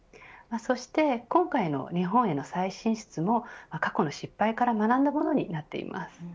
そして、今回の日本への再進出も過去の失敗から学んだものになっています。